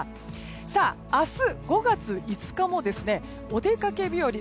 さあ明日、５月５日もお出かけ日和